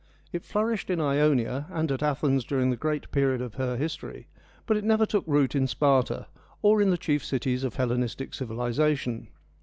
It flourished in Ionia and at Athens during the great period of her history, but it never took root in Sparta, or in the chief cities of Hellenistic civilisation.